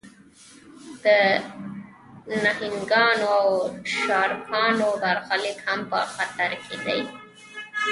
د نهنګانو او شارکانو برخلیک هم په خطر کې دی.